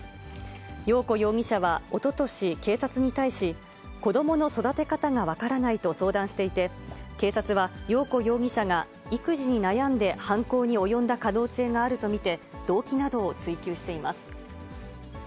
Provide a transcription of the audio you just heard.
陽子容疑者は、おととし警察に対し、子どもの育て方が分からないと相談していて、警察は陽子容疑者が育児に悩んで、犯行に及んだ可能性があると見て、動機などを追及しています。